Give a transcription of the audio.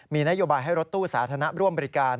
มีนโยบายให้รถตู้สาธารณะร่วมบริการ